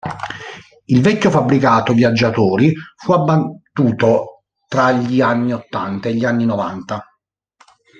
Il vecchio fabbricato viaggiatori fu abbattuto tra gli anni ottanta e gli anni novanta.